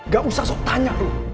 gak usah sok tanya loh